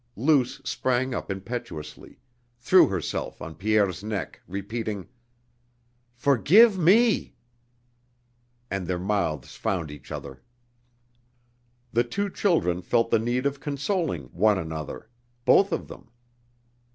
Luce sprang up impetuously, threw herself on Pierre's neck, repeating: "Forgive me!" And their mouths found each other. The two children felt the need of consoling one another, both of them.